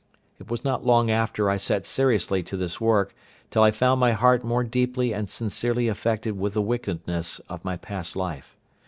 It was not long after I set seriously to this work till I found my heart more deeply and sincerely affected with the wickedness of my past life.